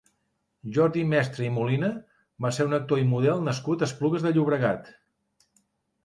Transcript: Jordi Mestre i Molina va ser un actor i model nascut a Esplugues de Llobregat.